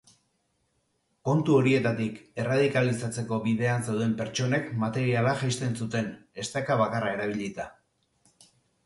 Kontu horietatik erradikalizatzeko bidean zeuden pertsonek materiala jaisten zuten, esteka bakarra erabilita.